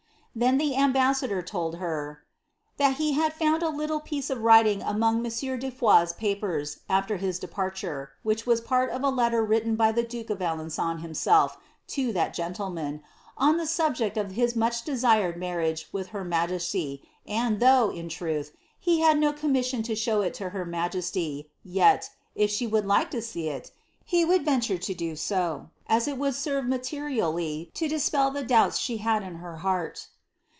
Then the ambassador told her, '^ that he had found a little piece of vriting among monsieur de Foix's papers, after his departure, which was ptrt of a letter written by the duke of Alen9on himself to that gentle mio, on the subject of his much desired marriage with her majesty, and thoogh, in truth, he had no commission to show it to her majesty, yet, if she would like to see it, he would venture to do so, as it would serve mtterially to dispel the doubts she had in her heart."